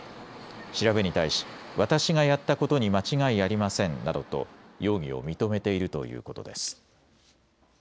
調べに対し、私がやったことに間違いありませんなどと容疑を認めているということです。